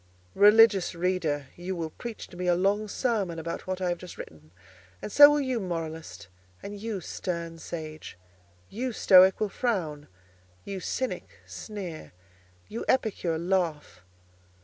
Religious reader, you will preach to me a long sermon about what I have just written, and so will you, moralist: and you, stern sage: you, stoic, will frown; you, cynic, sneer; you, epicure, laugh.